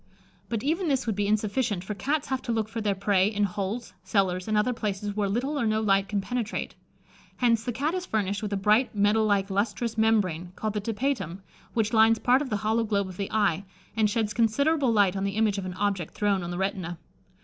But even this would be insufficient, for Cats have to look for their prey in holes, cellars, and other places where little or no light can penetrate. Hence, the Cat is furnished with a bright metal like, lustrous, membrane, called the Tapetum, which lines part of the hollow globe of the eye, and sheds considerable light on the image of an object thrown on the retina.